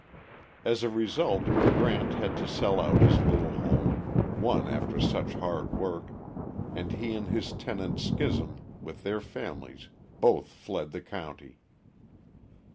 As a result Grant had to sell out his little home, won after such hard work, and he and his tenant Scism with their families both fled the county.